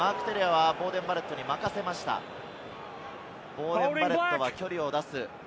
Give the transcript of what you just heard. ボーデン・バレットは距離を出す。